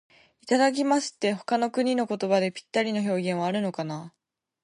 「いただきます」って、他の国の言葉でぴったりの表現はあるのかな。